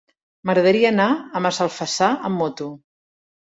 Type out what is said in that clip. M'agradaria anar a Massalfassar amb moto.